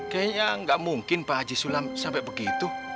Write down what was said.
kayaknya nggak mungkin pak haji sulam sampai begitu